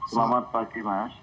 selamat pagi mas